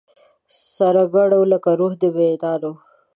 سره ګډو لکه روح د مینانو